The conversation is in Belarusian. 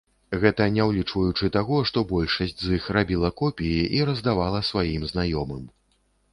Гэта не ўлічваючы таго, што большасць з іх рабіла копіі і раздавала сваім знаёмым.